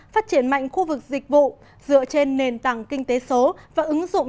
phát triển mạnh khu vực dịch vụ dựa trên nền tảng kinh tế số và ứng dụng